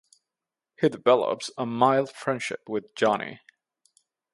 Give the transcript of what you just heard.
He develops a mild friendship with Johnny.